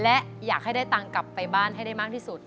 เอาแขนใส่ครับ